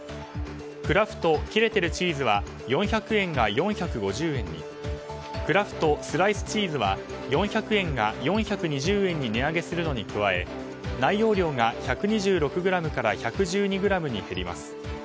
クラフト切れてるチーズは４００円が４５０円にクラフトスライスチーズは４００円が４２０円に値上げするのに加え、内容量が１２６ｇから１１２ｇに減ります。